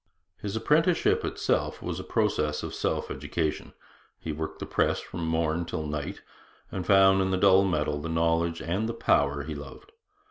His apprenticeship itself was a process of self education. He worked the press from morn till night, and found in the dull metal the knowledge and the power he loved.